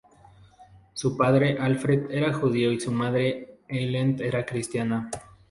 Su padre, Alfred, era judío, y su madre, Eileen, era cristiana.